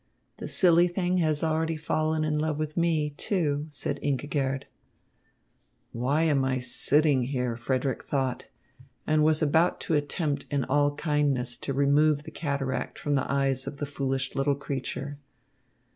"The silly thing has already fallen in love with me, too," said Ingigerd. "Why am I sitting here?" Frederick thought, and was about to attempt in all kindness to remove the cataract from the eyes of the foolish little creature.